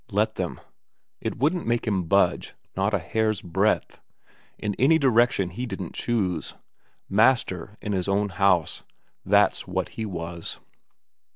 Let them. It wouldn't make him budge, not a hair's breadth, in any direction he didn't choose. Master in his own house, that's what he was.